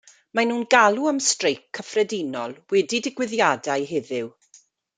Mae nhw'n galw am streic cyffredinol wedi digwyddiadau heddiw.